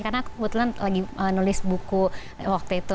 karena aku kebetulan lagi nulis buku waktu itu